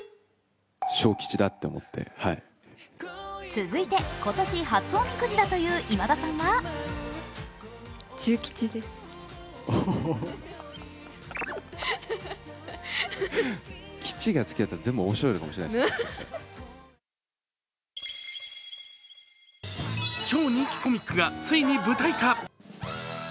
続いて今年、初おみくじだという今田さんは超人気コミックがついに舞台化。